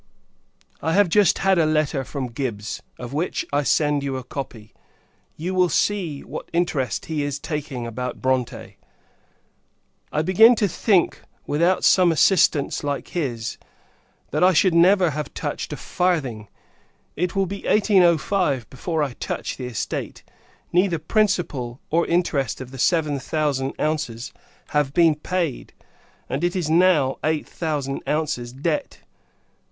I have just had a letter from Gibbs, of which I send you a copy. You see what interest he is taking about Bronte. I begin to think, without some assistance like his, that I never should have touched a farthing. It will be 1805, before I touch the estate. Neither principal or interest of the seven thousand ounces have been paid; and, it is now eight thousand ounces debt.